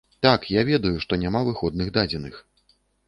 Так, я ведаю, што няма выходных дадзеных.